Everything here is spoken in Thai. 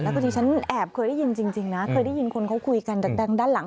แล้วก็จริงฉันแอบเคยได้ยินจริงนะเคยได้ยินคนเขาคุยกันด้านหลัง